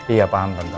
iya paham tante